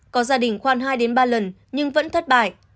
có gia đình khoan hai ba lần nhưng vẫn thất bại